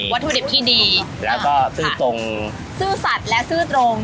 ถุดิบที่ดีแล้วก็ซื่อตรงซื่อสัตว์และซื่อตรง